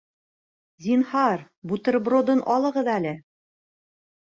Зинһар, бутербродын алығыҙ әле